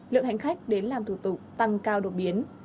lượng hành khách đến làm thủ tục tăng cao đột biến